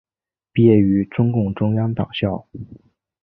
毕业于中共中央党校。